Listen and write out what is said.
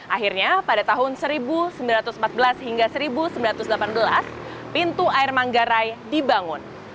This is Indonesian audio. akhirnya pada tahun seribu sembilan ratus empat belas hingga seribu sembilan ratus delapan belas pintu air manggarai dibangun